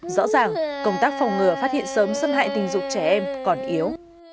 rõ ràng công tác phòng ngừa phát hiện sớm xâm hại tình dục trẻ em còn yếu